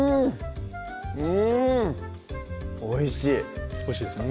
うんおいしいおいしいですか？